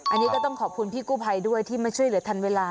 อันนี้ก็ต้องขอบคุณพี่กู้ภัยด้วยที่มาช่วยเหลือทันเวลา